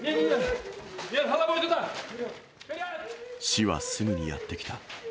死はすぐにやって来た。